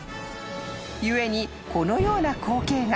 ［故にこのような光景が］